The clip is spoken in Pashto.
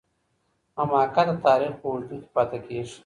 حماقت د تاریخ په اوږدو کي پاتې کیږي.